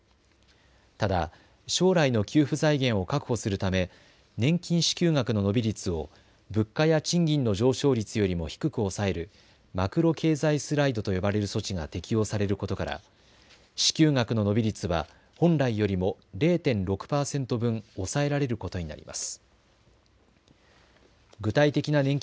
ただ将来の給付財源を確保するため年金支給額の伸び率を物価や賃金の上昇率よりも低く抑えるマクロ経済スライドと呼ばれる措置が適用されることから支給額の伸び率は本来よりも０．６％分抑えられることになります。